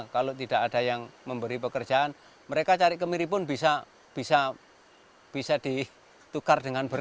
kalau tidak ada yang memberi pekerjaan mereka cari kemiri pun bisa ditukar dengan berat